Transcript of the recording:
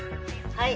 はい！